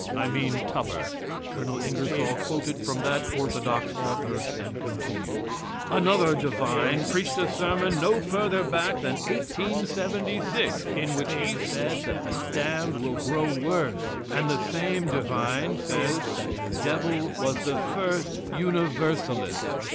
I mean Tupper. [Colonel Ingersoll quoted from that orthodox author, and continued:] Another divine preached a sermon no further back than 1876, in which he said that the damned will grow worse; and the same divine says that the devil was the first Universalist.